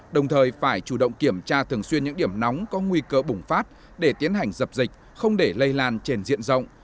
đồng thời phải chủ động kiểm tra thường xuyên những điểm nóng có nguy cơ bùng phát để tiến hành dập dịch không để lây lan trên diện rộng